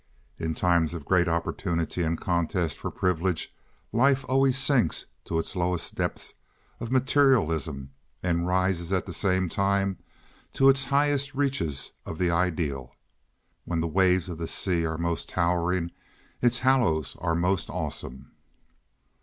In times of great opportunity and contest for privilege life always sinks to its lowest depths of materialism and rises at the same time to its highest reaches of the ideal. When the waves of the sea are most towering its hollows are most awesome.